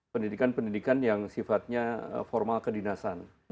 pendidikan pendidikan yang sifatnya formal kedinasan